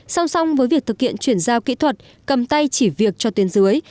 xong xong với việc thực hiện chuyển giao kỹ thuật cầm tay chỉ việc cho tuyến dưới